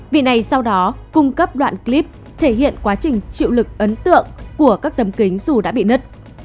vị này sau đó cung cấp đoạn clip thể hiện quá trình chịu lực ấn tượng của các tấm kính dù đã bị nứt